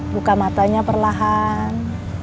buka matanya perlahan